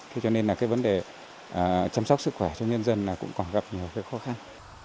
thế cho nên là cái vấn đề chăm sóc sức khỏe cho nhân dân là cũng còn gặp nhiều cái khó khăn